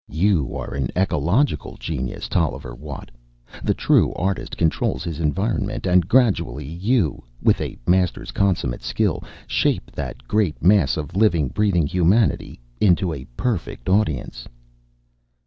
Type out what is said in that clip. You are an ecological genius, Tolliver Watt! The true artist controls his environment, and gradually you, with a master's consummate skill, shape that great mass of living, breathing humanity into a perfect audience...."